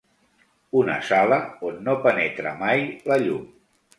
Una sala on no penetra mai la llum.